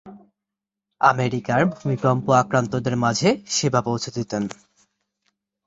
আমেরিকার ভূমিকম্পে আক্রান্তদের মাঝে সেবা পৌঁছে দিতেন।